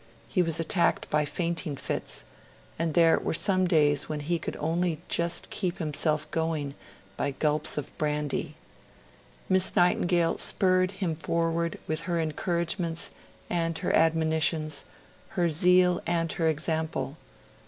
He was attacked by fainting fits; and there were some days when he could only just keep himself going by gulps of brandy. Miss Nightingale spurred him forward with her encouragements and her admonitions, her zeal and her example.